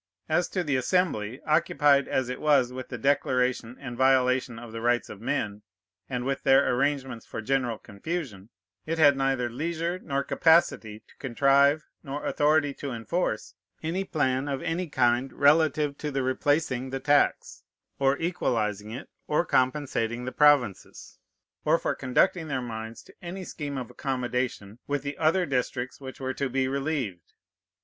As to the Assembly, occupied as it was with the declaration and violation of the rights of men, and with their arrangements for general confusion, it had neither leisure nor capacity to contrive, nor authority to enforce, any plan of any kind relative to the replacing the tax, or equalizing it, or compensating the provinces, or for conducting their minds to any scheme of accommodation with the other districts which were to be relieved.